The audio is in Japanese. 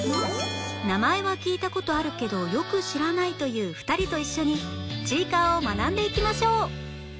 名前は聞いた事あるけどよく知らないという２人と一緒に『ちいかわ』を学んでいきましょう